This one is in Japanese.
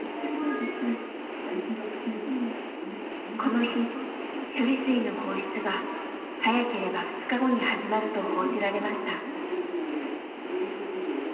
この日処理水の放出が早ければ２日後に始まると報じられました。